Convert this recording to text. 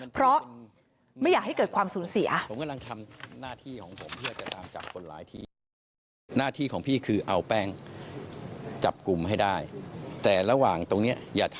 เพราะไม่อยากให้เกิดความสูญเสีย